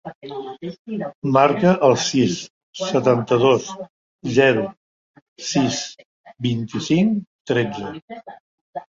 Marca el sis, setanta-dos, zero, sis, vint-i-cinc, tretze.